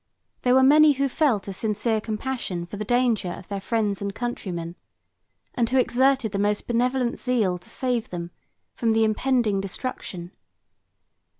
There were many who felt a sincere compassion for the danger of their friends and countrymen, and who exerted the most benevolent zeal to save them from the impending destruction.